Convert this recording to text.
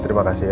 terima kasih ya